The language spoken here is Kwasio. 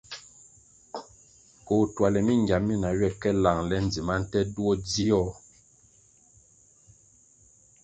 Koh tuale mingia mina ywe ka langle ndzima nte duo dzio.